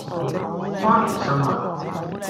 花旗參蜜